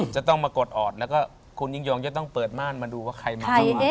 จะต้องมากดออดแล้วก็คุณยิ่งยงจะต้องเปิดม่านมาดูว่าใครมาเข้ามา